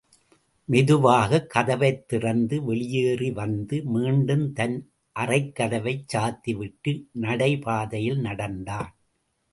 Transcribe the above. மெதுவாகக் கதவைத் திறந்து வெளியேறி வந்து மீண்டும் தன் அறைக்கதவைச் சாத்திவிட்டு நடைபாதையில் நடந்தான்.